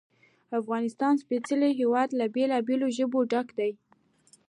د افغانستان سپېڅلی هېواد له بېلابېلو ژبو ډک دی.